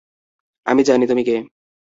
আমি জানি তুমি কে।